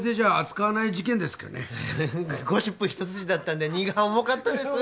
ゴシップ一筋だったんで荷が重かったです。